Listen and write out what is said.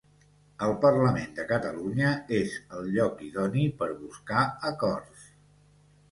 El Parlament de Catalunya és el lloc idoni per buscar acords